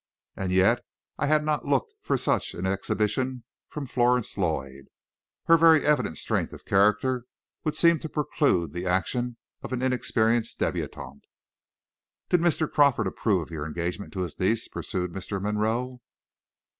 And yet I had not looked for such an exhibition from Florence Lloyd. Her very evident strength of character would seem to preclude the actions of an inexperienced debutante. "Did Mr. Crawford approve of your engagement to his niece?" pursued Mr. Monroe.